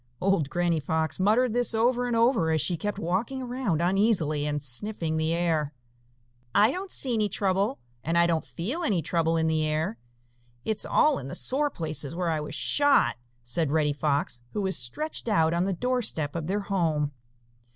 Old Granny Fox muttered this over and over, as she kept walking around uneasily and sniffing the air. "I don't see any trouble and I don't feel any trouble in the air. It's all in the sore places where I was shot," said Reddy Fox, who was stretched out on the doorstep of their home.